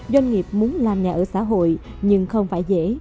doanh nghiệp muốn làm nhà ở xã hội nhưng không phải dễ